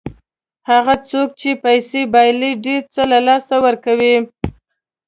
هغه څوک چې پیسې بایلي ډېر څه له لاسه ورکوي.